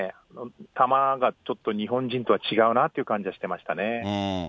球がちょっと日本人とは違うなという感じはしてましたね。